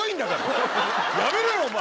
やめろよお前！